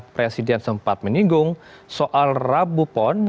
presiden sempat menyinggung soal rabupon